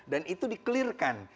dan itu di clear kan